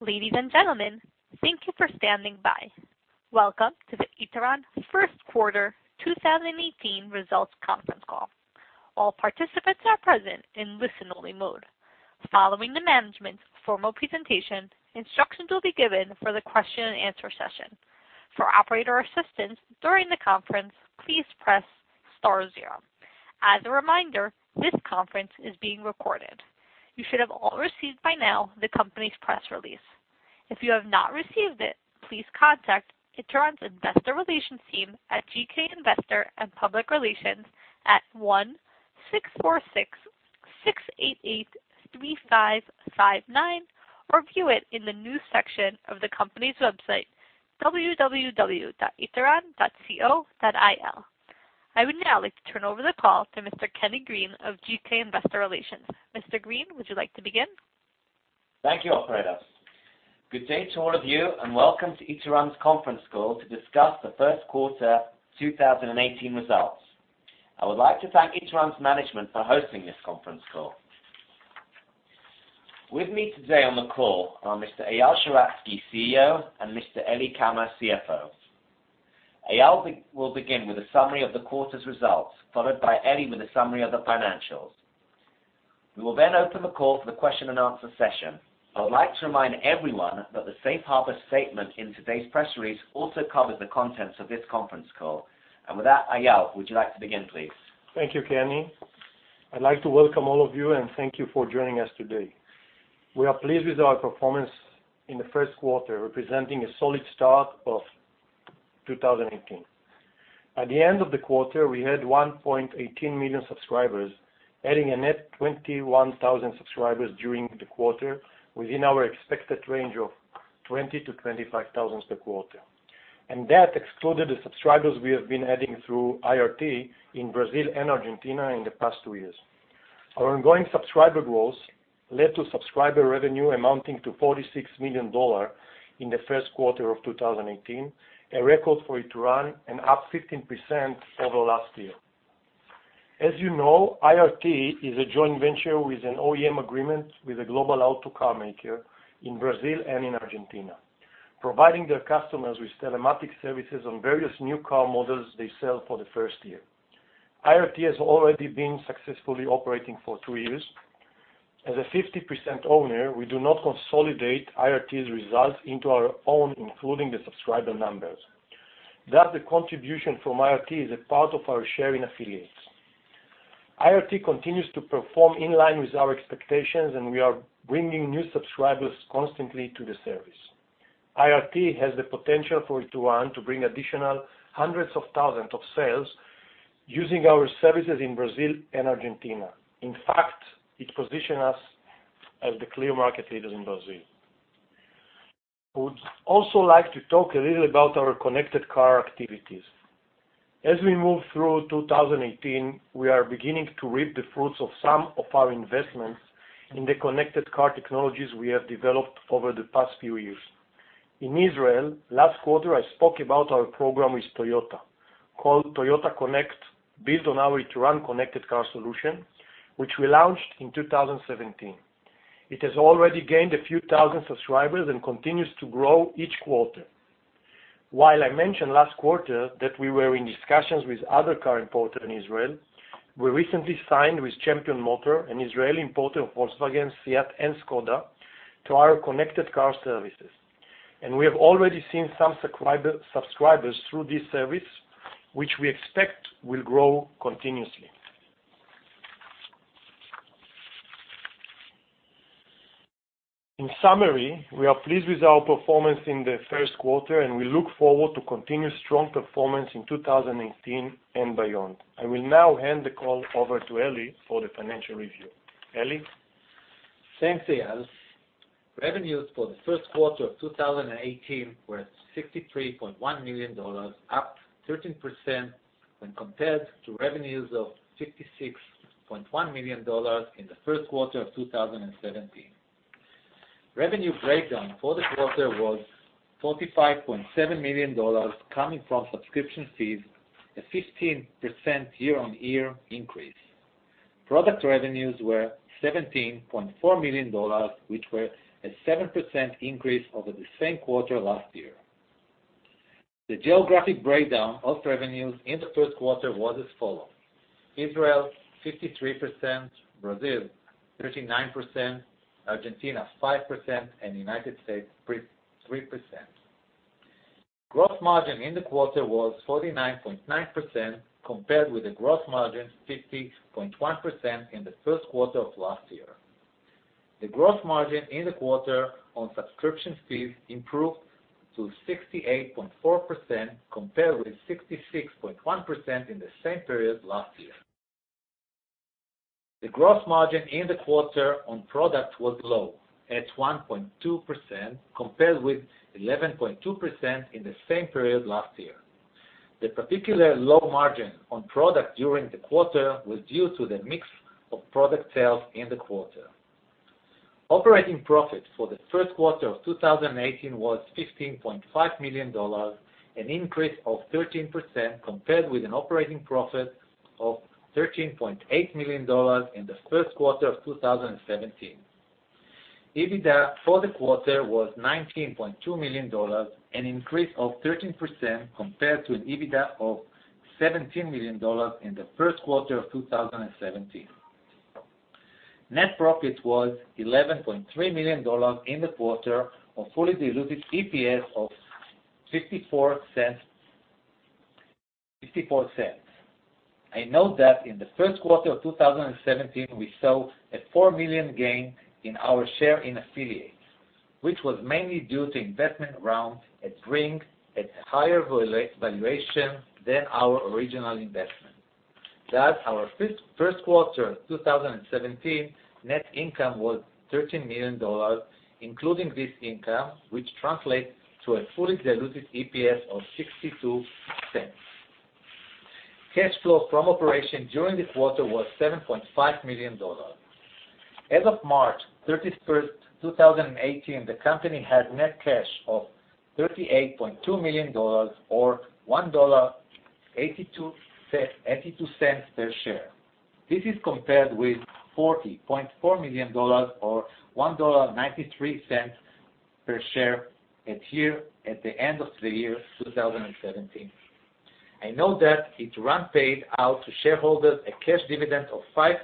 Ladies and gentlemen, thank you for standing by. Welcome to the Ituran first quarter 2018 results conference call. All participants are present in listen-only mode. Following the management's formal presentation, instructions will be given for the question and answer session. For operator assistance during the conference, please press star zero. As a reminder, this conference is being recorded. You should have all received by now the company's press release. If you have not received it, please contact Ituran's investor relations team at GK Investor & Public Relations at 1-646-688-3559 or view it in the news section of the company's website, www.ituran.co.il. I would now like to turn over the call to Mr. Kenny Green of GK Investor Relations. Mr. Green, would you like to begin? Thank you, operator. Good day to all of you, and welcome to Ituran's conference call to discuss the first quarter 2018 results. I would like to thank Ituran's management for hosting this conference call. With me today on the call are Mr. Eyal Sheratzky, CEO, and Mr. Eli Kamer, CFO. Eyal will begin with a summary of the quarter's results, followed by Eli with a summary of the financials. We will then open the call for the question and answer session. I would like to remind everyone that the safe harbor statement in today's press release also covers the contents of this conference call. With that, Eyal, would you like to begin, please? Thank you, Kenny. I'd like to welcome all of you and thank you for joining us today. We are pleased with our performance in the first quarter, representing a solid start of 2018. At the end of the quarter, we had 1.18 million subscribers, adding a net 21,000 subscribers during the quarter within our expected range of 20,000-25,000 per quarter. That excluded the subscribers we have been adding through IRT in Brazil and Argentina in the past two years. Our ongoing subscriber growth led to subscriber revenue amounting to $46 million in the first quarter of 2018, a record for Ituran, and up 15% over last year. As you know, IRT is a joint venture with an OEM agreement with a global auto car maker in Brazil and in Argentina, providing their customers with telematics services on various new car models they sell for the first year. IRT has already been successfully operating for two years. As a 50% owner, we do not consolidate IRT's results into our own, including the subscriber numbers. Thus, the contribution from IRT is a part of our share in affiliates. IRT continues to perform in line with our expectations, and we are bringing new subscribers constantly to the service. IRT has the potential for Ituran to bring additional hundreds of thousands of sales using our services in Brazil and Argentina. In fact, it positions us as the clear market leaders in Brazil. I would also like to talk a little about our connected car activities. As we move through 2018, we are beginning to reap the fruits of some of our investments in the connected car technologies we have developed over the past few years. In Israel, last quarter, I spoke about our program with Toyota called Toyota Connect, built on our Ituran connected car solution, which we launched in 2017. It has already gained a few thousand subscribers and continues to grow each quarter. While I mentioned last quarter that we were in discussions with other car importers in Israel, we recently signed with Champion Motors, an Israeli importer of Volkswagen, SEAT, and Škoda, to our connected car services. We have already seen some subscribers through this service, which we expect will grow continuously. In summary, we are pleased with our performance in the first quarter, and we look forward to continued strong performance in 2018 and beyond. I will now hand the call over to Eli for the financial review. Eli? Thanks, Eyal. Revenues for the first quarter of 2018 were $63.1 million, up 13% when compared to revenues of $56.1 million in the first quarter of 2017. Revenue breakdown for the quarter was $45.7 million coming from subscription fees, a 15% year-on-year increase. Product revenues were $17.4 million, which were a 7% increase over the same quarter last year. The geographic breakdown of revenues in the first quarter was as follows, Israel, 53%, Brazil, 39%, Argentina, 5%, and United States, 3%. Gross margin in the quarter was 49.9%, compared with a gross margin of 50.1% in the first quarter of last year. The gross margin in the quarter on subscription fees improved to 68.4%, compared with 66.1% in the same period last year. The gross margin in the quarter on product was low, at 1.2%, compared with 11.2% in the same period last year. The particular low margin on product during the quarter was due to the mix of product sales in the quarter. Operating profit for the first quarter of 2018 was $15.5 million, an increase of 13% compared with an operating profit of $13.8 million in the first quarter of 2017. EBITDA for the quarter was $19.2 million, an increase of 13% compared to an EBITDA of $17 million in the first quarter of 2017. Net profit was $11.3 million in the quarter, a fully diluted EPS of $0.54. I note that in the first quarter of 2017, we saw a $4 million gain in our share in affiliates, which was mainly due to investment round at Bringg at a higher valuation than our original investment. Thus, our first quarter of 2017 net income was $13 million, including this income, which translates to a fully diluted EPS of $0.62. Cash flow from operations during the quarter was $7.5 million. As of March 31st, 2018, the company had net cash of $38.2 million, or $1.82 per share. This is compared with $40.4 million, or $1.93 per share at the end of 2017. I note that Ituran paid out to shareholders a cash dividend of $5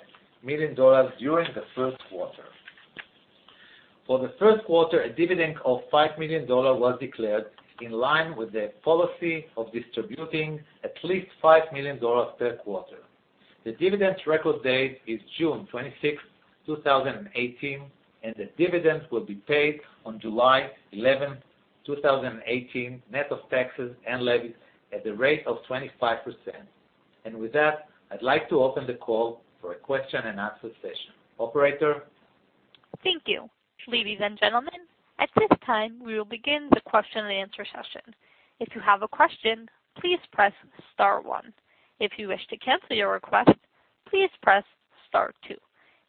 million during the first quarter. For the first quarter, a dividend of $5 million was declared in line with the policy of distributing at least $5 million per quarter. The dividend's record date is June 26, 2018, and the dividend will be paid on July 11, 2018, net of taxes and levies at the rate of 25%. With that, I'd like to open the call for a question and answer session. Operator? Thank you. Ladies and gentlemen, at this time, we will begin the question and answer session. If you have a question, please press star one. If you wish to cancel your request, please press star two.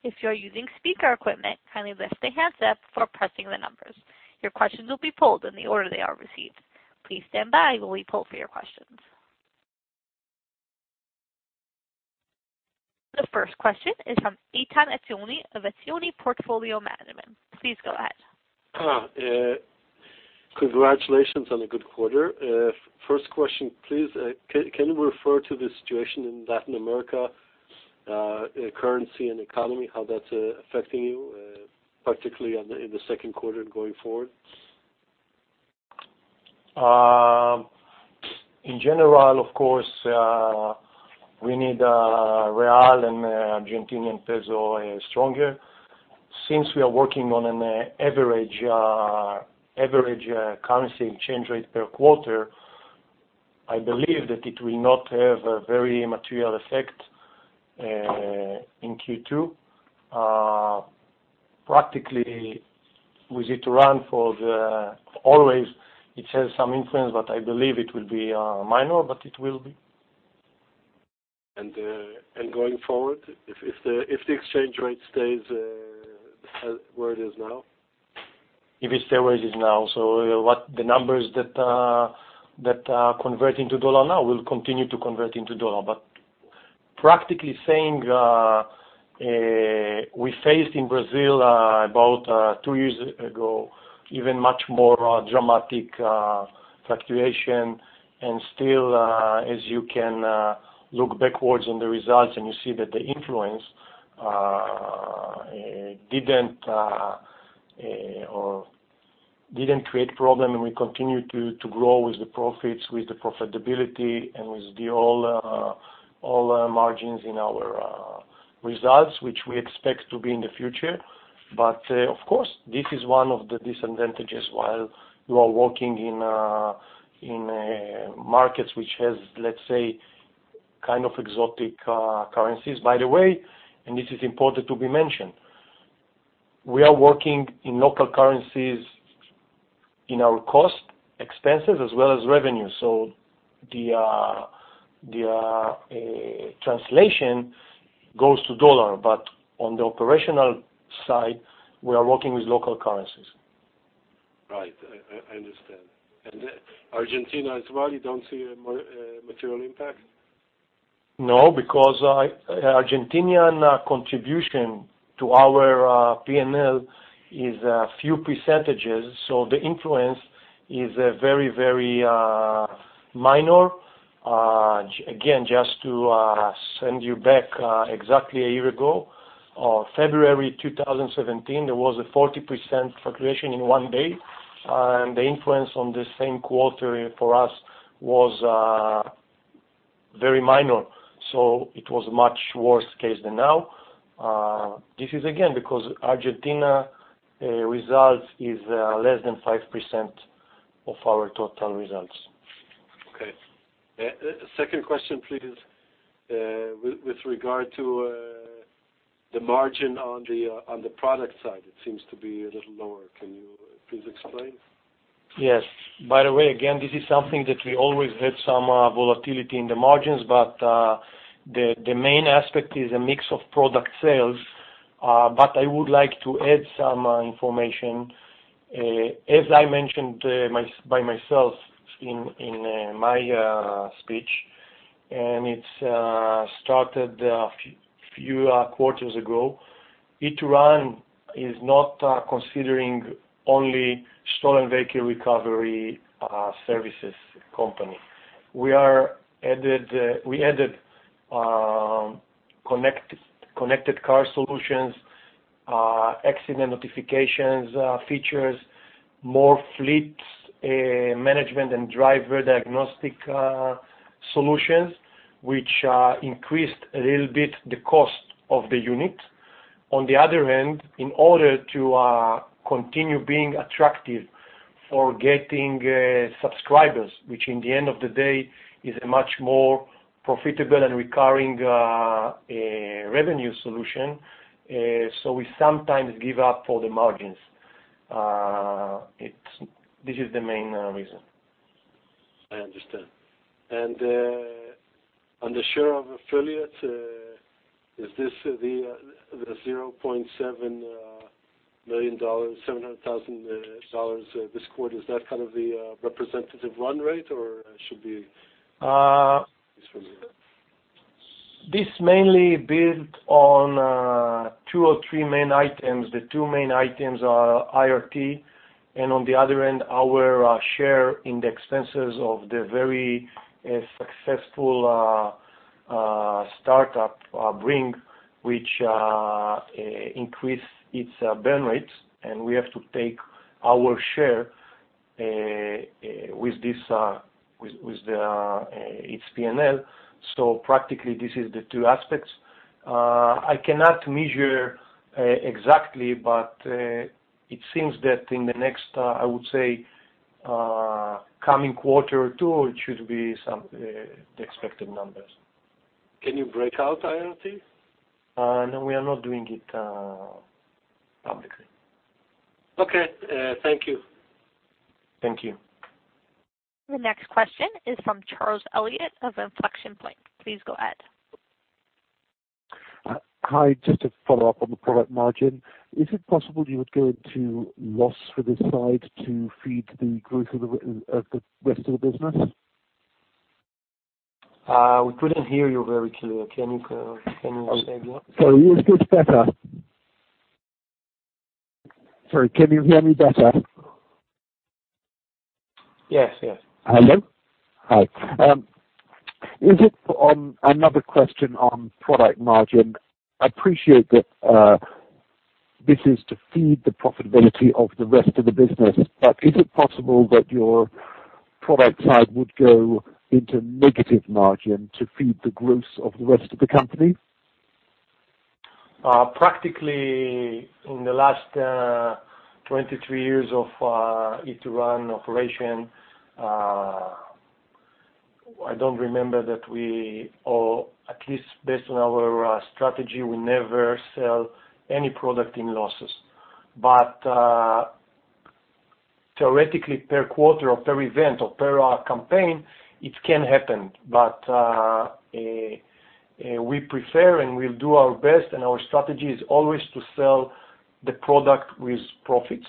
If you are using speaker equipment, kindly lift the handset before pressing the numbers. Your questions will be polled in the order they are received. Please stand by while we poll for your questions. The first question is from Ethan Etzioni of Etzioni Portfolio Management. Please go ahead. Hi. Congratulations on a good quarter. First question, please, can you refer to the situation in Latin America, currency and economy, how that is affecting you, particularly in the second quarter going forward? In general, of course, we need real and Argentinian peso stronger. Since we are working on an average currency exchange rate per quarter, I believe that it will not have a very material effect in Q2. Practically, with Ituran, always it has some influence, but I believe it will be minor, but it will be. Going forward, if the exchange rate stays where it is now? If it stays where it is now, what the numbers that are converting to dollar now will continue to convert into dollar. Practically saying, we faced in Brazil about two years ago, even much more dramatic fluctuation, and still as you can look backwards on the results and you see that the influence didn't create problem, and we continue to grow with the profits, with the profitability, and with all the margins in our results, which we expect to be in the future. Of course, this is one of the disadvantages while you are working in markets which has, let's say, kind of exotic currencies. By the way, this is important to be mentioned, we are working in local currencies in our cost expenses as well as revenue. The translation goes to dollar, but on the operational side, we are working with local currencies. Right. I understand. Argentina as well, you don't see a material impact? No, because Argentinian contribution to our P&L is a few percentages. The influence is very, very minor. Again, just to send you back exactly a year ago, February 2017, there was a 40% fluctuation in one day, the influence on the same quarter for us was very minor. It was much worse case than now. This is, again, because Argentina results is less than 5% of our total results. Okay. Second question, please. With regard to the margin on the product side, it seems to be a little lower. Can you please explain? Yes. By the way, again, this is something that we always had some volatility in the margins, but the main aspect is a mix of product sales. I would like to add some information. As I mentioned by myself in my speech, it started a few quarters ago. Ituran is not considering only stolen vehicle recovery services company. We added connected car solutions, accident notifications features, more fleets management and driver diagnostic solutions, which increased a little bit the cost of the unit. On the other hand, in order to continue being attractive for getting subscribers, which in the end of the day, is a much more profitable and recurring revenue solution, we sometimes give up for the margins. This is the main reason. I understand. The share of affiliate, the $0.7 million, $700,000 this quarter, is that kind of the representative run rate, or it should be? This mainly built on two or three main items. The two main items are IRT, and on the other hand, our share in the expenses of the very successful startup, Bringg, which increase its burn rates, and we have to take our share with its P&L. Practically, this is the two aspects. I cannot measure exactly, but it seems that in the next, I would say, coming quarter or two, it should be some expected numbers. Can you break out IRT? No, we are not doing it publicly. Okay. Thank you. Thank you. The next question is from Charles Elliott of Inflection Point. Please go ahead. Hi. Just to follow up on the product margin. Is it possible you would go into loss for this side to feed the growth of the rest of the business? We couldn't hear you very clearly. Sorry, is this better? Sorry, can you hear me better? Yes. Hello? Hi. Another question on product margin. I appreciate that this is to feed the profitability of the rest of the business, is it possible that your product side would go into negative margin to feed the growth of the rest of the company? Practically, in the last 23 years of Ituran operation, I don't remember that we, or at least based on our strategy, we never sell any product in losses. Theoretically, per quarter or per event or per campaign, it can happen. We prefer, and we'll do our best, and our strategy is always to sell the product with profits.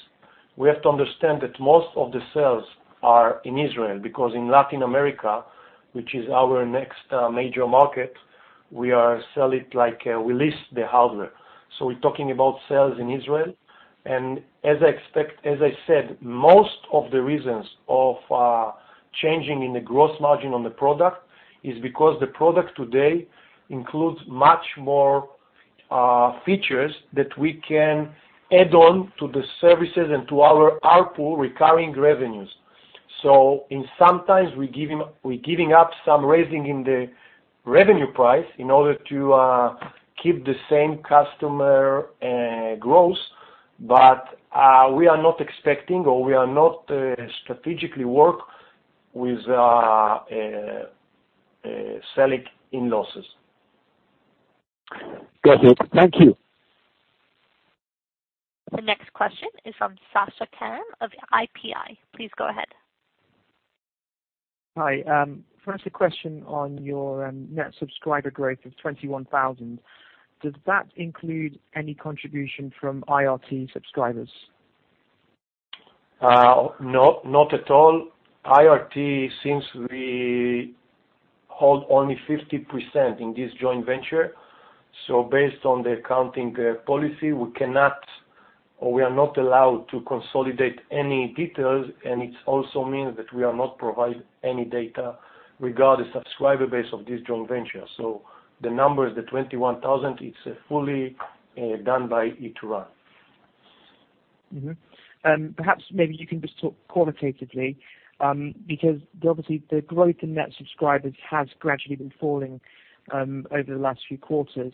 We have to understand that most of the sales are in Israel, because in Latin America, which is our next major market, we lease the hardware. We're talking about sales in Israel. As I said, most of the reasons of changing in the gross margin on the product is because the product today includes much more features that we can add on to the services and to our ARPU recurring revenues. In sometimes we're giving up some raising in the revenue price in order to keep the same customer growth, we are not expecting, or we are not strategically work with selling in losses. Got it. Thank you. The next question is from Sasha Karim of IPI. Please go ahead. Hi. First question on your net subscriber growth of 21,000. Does that include any contribution from IRT subscribers? No, not at all. IRT, since we hold only 50% in this joint venture, based on the accounting policy, we cannot, or we are not allowed to consolidate any details, and it also means that we are not provide any data regarding subscriber base of this joint venture. The number, the 21,000, it's fully done by Ituran. Perhaps maybe you can just talk qualitatively, because obviously the growth in net subscribers has gradually been falling over the last few quarters.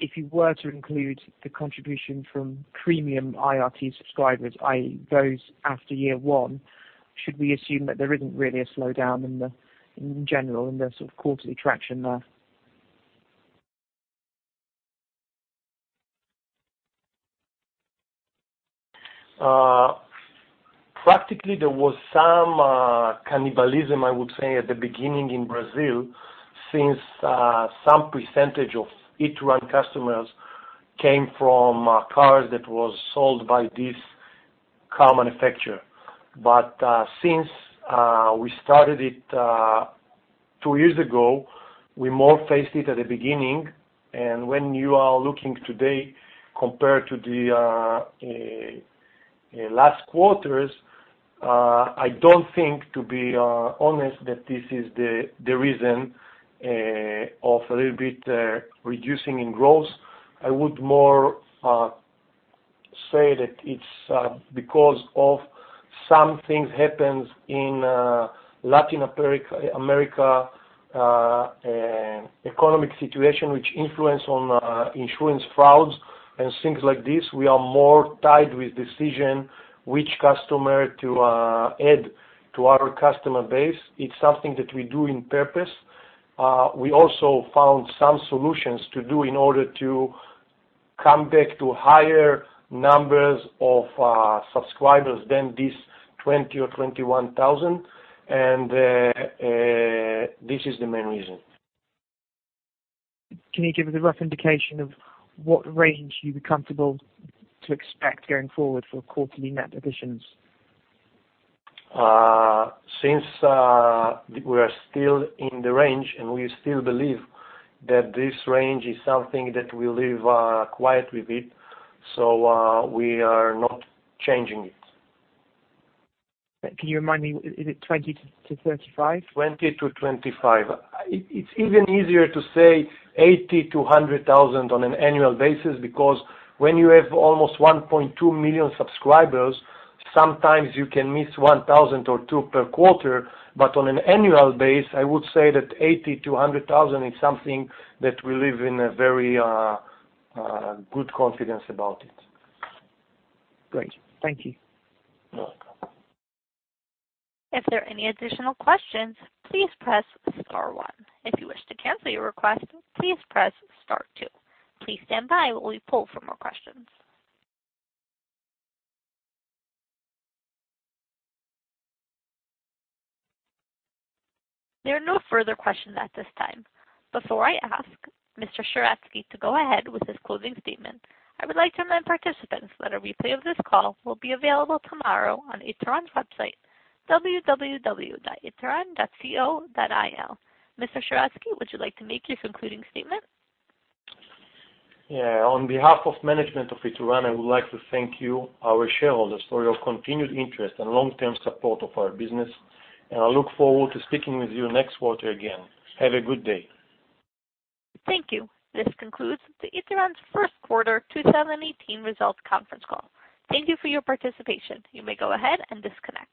If you were to include the contribution from premium IRT subscribers, i.e., those after year one, should we assume that there isn't really a slowdown in general in the sort of quarterly traction there? Practically, there was some cannibalism, I would say, at the beginning in Brazil, since some percentage of Ituran customers came from cars that was sold by this car manufacturer. Since we started it two years ago, we more faced it at the beginning, and when you are looking today compared to the last quarters, I don't think, to be honest, that this is the reason of a little bit reducing in growth. I would more say that it's because of some things happens in Latin America, economic situation, which influence on insurance frauds and things like this. We are more tied with decision which customer to add to our customer base. It's something that we do on purpose. We also found some solutions to do in order to come back to higher numbers of subscribers than these 20,000 or 21,000, and this is the main reason. Can you give us a rough indication of what range you'd be comfortable to expect going forward for quarterly net additions? Since we are still in the range, and we still believe that this range is something that we live quiet with it, so we are not changing it. Can you remind me, is it 20,000-35,000? 20,000-25,000. It's even easier to say 80,000-100,000 on an annual basis because when you have almost 1.2 million subscribers, sometimes you can miss 1,000 or 2,000 per quarter. On an annual base, I would say that 80,000-100,000 is something that we live in a very good confidence about it. Great. Thank you. You're welcome. If there are any additional questions, please press star one. If you wish to cancel your request, please press star two. Please stand by while we poll for more questions. There are no further questions at this time. Before I ask Mr. Sheratzky to go ahead with his closing statement, I would like to remind participants that a replay of this call will be available tomorrow on Ituran's website, www.ituran.co.il. Mr. Sheratzky, would you like to make your concluding statement? Yeah. On behalf of management of Ituran, I would like to thank you, our shareholders, for your continued interest and long-term support of our business, I look forward to speaking with you next quarter again. Have a good day. Thank you. This concludes the Ituran's first quarter 2018 results conference call. Thank you for your participation. You may go ahead and disconnect.